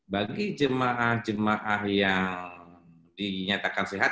bagi jemaah jemaah yang dinyatakan sehat